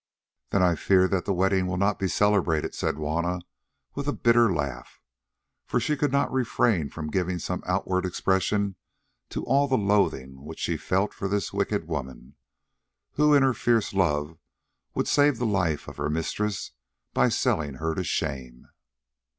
"Then I fear that the wedding will not be celebrated," said Juanna with a bitter laugh, for she could not refrain from giving some outward expression to all the loathing which she felt for this wicked woman, who in her fierce love would save the life of her mistress by selling her to shame.